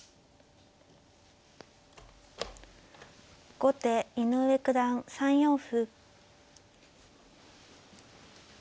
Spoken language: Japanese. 後手井上九段３四歩。